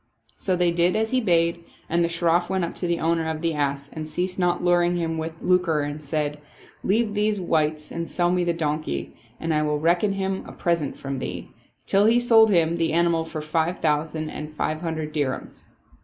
So they did as he bade and the Shroff went up to the owner of the ass and ceased not luring him with lucre and saying, " Leave these wights and sell me the donkey, and I will reckon him a present from thee," till he sold him the animal for five thousand and five hundred dir hams.